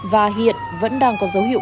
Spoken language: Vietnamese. và hiện vẫn đang có dấu hiệu